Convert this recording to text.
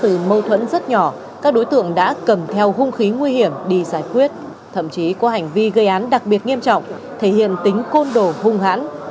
từ mâu thuẫn rất nhỏ các đối tượng đã cầm theo hung khí nguy hiểm đi giải quyết thậm chí có hành vi gây án đặc biệt nghiêm trọng thể hiện tính côn đồ hung hãn